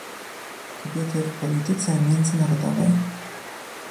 Kobiety w polityce międzynarodowej